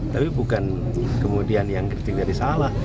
tapi bukan kemudian yang kritik dari salah